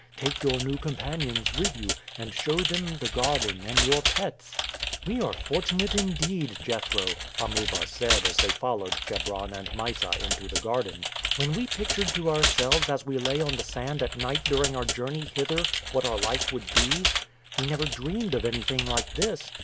Take your new companions with you, and show them the garden and your pets." "We are fortunate, indeed, Jethro," Amuba said as they followed Chebron and Mysa into the garden. "When we pictured to ourselves as we lay on the sand at night during our journey hither what our life would be, we never dreamed of anything like this.